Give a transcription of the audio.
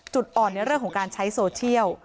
จุดอ่อนในเรื่องของการใช้โซเชียล